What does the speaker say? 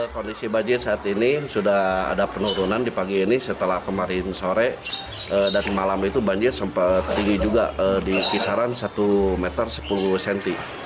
kondisi banjir saat ini sudah ada penurunan di pagi ini setelah kemarin sore dan malam itu banjir sempat tinggi juga di kisaran satu meter sepuluh cm